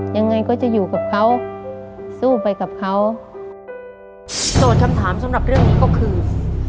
ยังไงก็จะอยู่กับเขาสู้ไปกับเขาโจทย์คำถามสำหรับเรื่องนี้ก็คือ